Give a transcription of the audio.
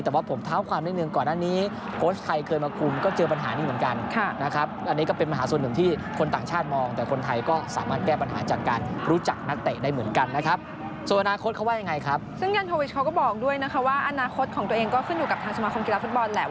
ซึ่งยันโทวิชเขาก็บอกด้วยนะคะว่าอนาคตของตัวเองก็ขึ้นอยู่กับทางสมาคมกีฟฟุตบอลแหละ